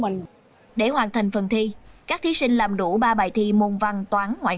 môn ngoại ngữ thì sẽ có thời gian làm bài một trăm hai mươi phút